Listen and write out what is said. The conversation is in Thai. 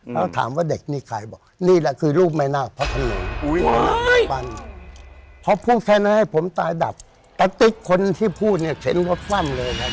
แล้วถามว่าเด็กนี้ใครบอกนี่แหละคือลูกแม่หน้าพระธรรม